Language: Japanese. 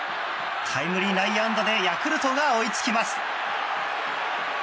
タイムリー内野安打でヤクルトが追いつきます。